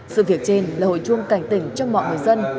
sự việc trên là hồi chuông cảnh tỉnh cho mọi người dân